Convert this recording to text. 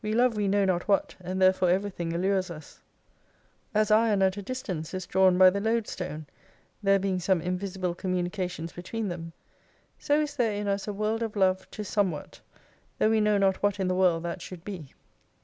We love we know not what, and therefore everything allures us. As iron 5 at a distance is drawn by the loadstone, there being some invisible communications between them, so is there in us a world of Love to somewhat, though we know not what in the world that should be.